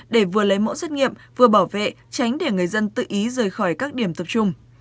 để vừa lấy mẫu xét nghiệm vừa bảo vệ tránh để người dân tự ý rời khỏi các điểm tập trung